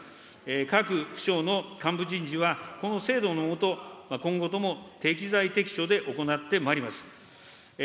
各省の幹部人事は、この制度の下、今後とも適材適所で行ってまいります。